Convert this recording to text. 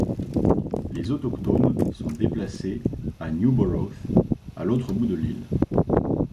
Les autochtones sont déplacés à Newborough, à l'autre bout de l'île.